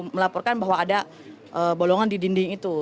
melaporkan bahwa ada bolongan di dinding itu